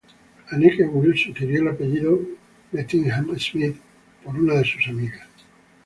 Anneke Wills sugirió el apellido "Bettingham-Smith" por una de sus amigas.